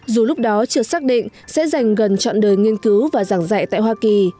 dù lúc đó chưa xác định sẽ dành gần chọn đời nghiên cứu và giảng dạy tại hoa kỳ